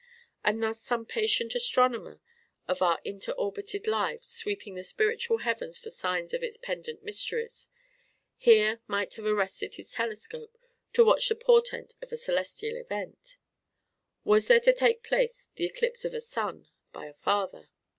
And thus some patient astronomer of our inter orbited lives, sweeping the spiritual heavens for signs of its pendent mysteries, here might have arrested his telescope to watch the portent of a celestial event: was there to take place the eclipse of a son by a father?